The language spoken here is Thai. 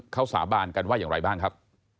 เขาสาบานกันว่าอย่างไรบ้างครับ